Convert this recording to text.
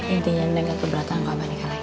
intinya neng gak keberatan sama abah nika lagi